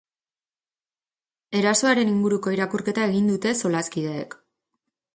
Erasoaren inguruko irakurketa egin dute solaskideek.